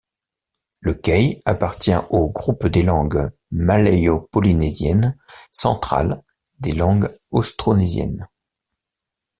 Le kei appartient au groupe des langues malayo-polynésiennes centrales des langues austronésiennes.